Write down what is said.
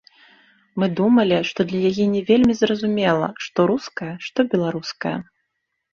Мы думалі, што для яе не вельмі зразумела, што руская, што беларуская.